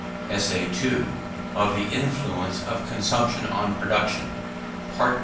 ESSAY II. OF THE INFLUENCE OF CONSUMPTION ON PRODUCTION.